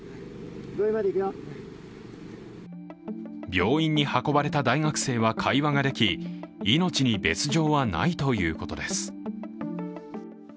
病院に運ばれた大学生は会話ができ命に別状はないということです。